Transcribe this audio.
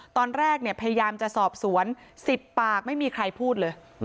ตอนแรกเนี่ยพยายามจะสอบสวน๑๐ปากไม่มีใครพูดเลย